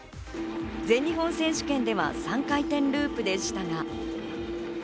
全日本選手権では３回転ループでしたが。